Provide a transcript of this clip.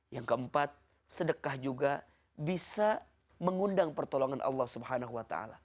yang keempat sedekah juga bisa mengundang pertolongan allah swt